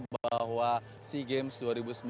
bahwa sea games dua ribu sembilan belas akan berakhir